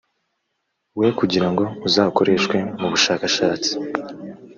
we kugira ngo uzakoreshwe mu bushakashatsi